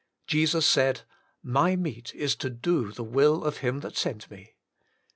Jesus said : My Meat Is to Do the will of Him that sent me.